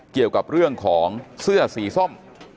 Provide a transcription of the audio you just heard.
เกี่ยวกับเรื่องของเสื้อสีส้ม